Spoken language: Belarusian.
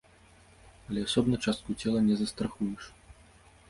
Але асобна частку цела не застрахуеш.